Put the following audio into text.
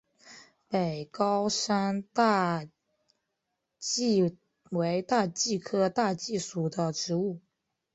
北高山大戟为大戟科大戟属的植物。